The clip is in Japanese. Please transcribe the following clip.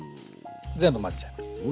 全部混ぜちゃいます。